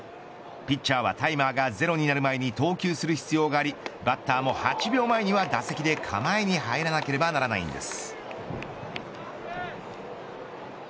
ピッチャーはタイマーがゼロになる前に投球する必要がありバッターも８秒前には打席で構えに入らなければならないんです。